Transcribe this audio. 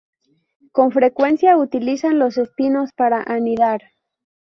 Con frecuencia utilizan los espinos para anidar.